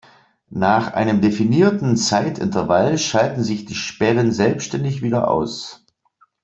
Nach einem definierten Zeitintervall schalten sich die Sperren selbsttätig wieder aus.